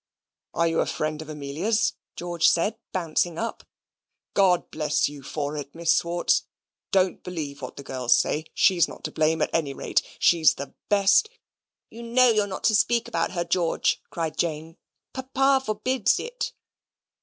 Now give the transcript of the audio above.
"Are you a friend of Amelia's?" George said, bouncing up. "God bless you for it, Miss Swartz. Don't believe what the girls say. SHE'S not to blame at any rate. She's the best " "You know you're not to speak about her, George," cried Jane. "Papa forbids it."